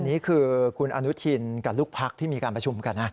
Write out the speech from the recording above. นี่คือคุณอนุทินกับลูกพักที่มีการประชุมกันนะ